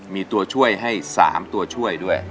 มีตัวช่วยให้๓ตัวช่วยด้วย